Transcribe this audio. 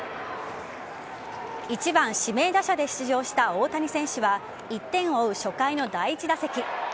１番・指名打者で出場した大谷選手は１点を追う初回の第１打席。